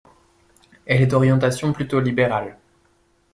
Elle est d'orientation plutôt libérale.